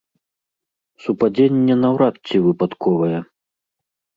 Супадзенне наўрад ці выпадковае.